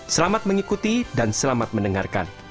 selamat mengikuti dan selamat mendengarkan